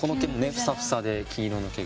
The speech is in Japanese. フサフサで黄色の毛が。